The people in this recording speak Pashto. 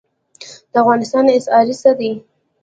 د افغانستان اسعار څه دي؟